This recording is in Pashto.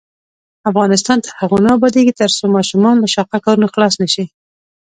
افغانستان تر هغو نه ابادیږي، ترڅو ماشومان له شاقه کارونو خلاص نشي.